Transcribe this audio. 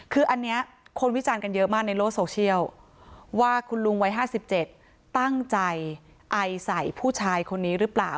คืออันนี้คนวิจารณ์กันเยอะมากในโลกโซเชียลว่าคุณลุงวัย๕๗ตั้งใจไอใส่ผู้ชายคนนี้หรือเปล่า